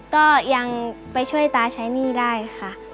ก็ยังไปช่วยตาใช้หนี้ได้ค่ะ